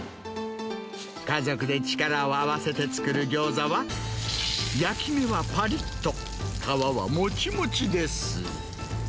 家族で力を合わせて作るギョーザは焼き目はぱりっと、皮はもちもちです。